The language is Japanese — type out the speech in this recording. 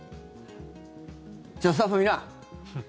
じゃあスタッフのみんな！